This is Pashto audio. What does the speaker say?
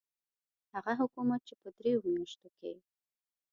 هغه حکومت چې په دریو میاشتو کې.